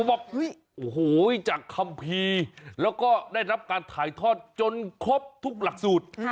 บอกโอ้โหจากคัมภีร์แล้วก็ได้รับการถ่ายทอดจนครบทุกหลักสูตร